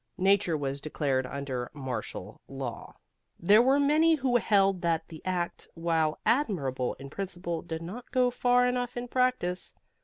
Nature was declared under martial law. There were many who held that the Act, while admirable in principle, did not go far enough in practice.